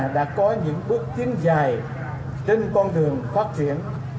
đã có những bước tiến dài trên con đường phát triển